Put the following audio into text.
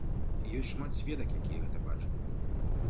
Ёсць шмат сведак, якія гэта бачылі.